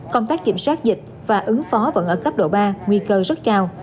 công tác kiểm soát dịch và ứng phó vẫn ở cấp độ ba nguy cơ rất cao